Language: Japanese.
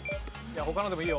他のでもいいよ。